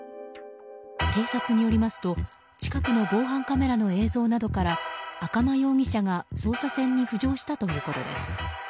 警察によりますと近くの防犯カメラの映像などから赤間容疑者が捜査線に浮上したということです。